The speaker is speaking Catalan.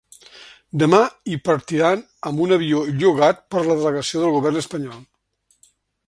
Demà hi partiran amb un avió llogat per la delegació del govern espanyol.